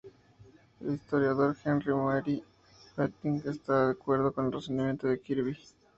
El historiador Henry Mayr-Harting está de acuerdo con el razonamiento de Kirby.